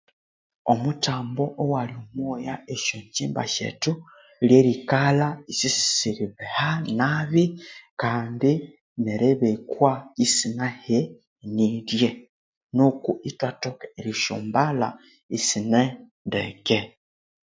Omuthambu owali omwoya esya ngyamba syethu lyerikalha isisiribeha nabi kandi neribikwa isanahenirye nuku ithwathoka erisyambalha isine ndeke